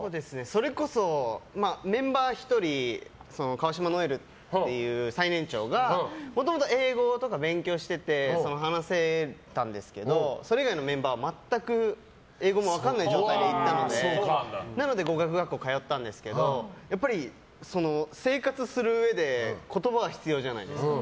それこそメンバー１人川島如恵留という最年長がもともと英語とか勉強してて話せたんですけどそれ以外のメンバーは、全く英語も分からない状態で行ったのでなので語学学校に通ったんですけど、やっぱり生活するうえで言葉が必要じゃないですか。